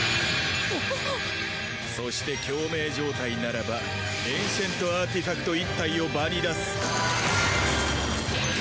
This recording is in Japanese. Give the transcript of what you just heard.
そして共鳴状態ならばエンシェントアーティファクト１体を場に出す。